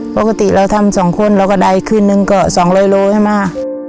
ปกติเราทำ๒คนเราก็ได้คืนนึงก็๒๐๐โลให้มา